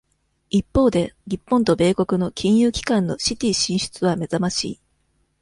一方で、日本と米国の金融機関のシティ進出は目ざましい。